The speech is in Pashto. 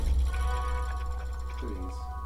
د بيلګي په توګه ايا هغه خوشطبعه دی که شوخ طبعه دی.